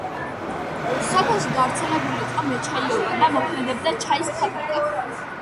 სოფელში გავრცელებული იყო მეჩაიეობა და მოქმედებდა ჩაის ფაბრიკა.